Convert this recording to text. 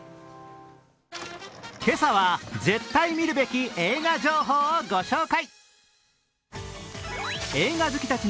今朝は絶対見るべき映画情報をご紹介。